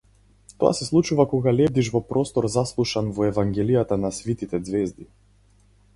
Тоа се случува кога лебдиш во простор заслушан во евангелијата на свитите ѕвезди.